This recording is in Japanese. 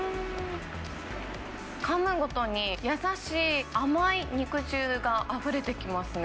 かむごとに優しい甘い肉汁があふれてきますね。